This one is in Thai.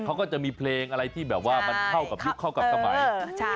เขาก็จะมีเพลงอะไรที่แบบว่ามันเข้ากับยุคเข้ากับสมัย